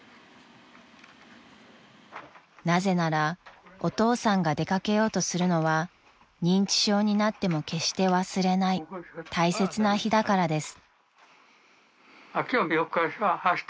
［なぜならお父さんが出掛けようとするのは認知症になっても決して忘れない大切な日だからです］